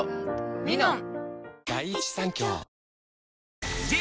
「ミノン」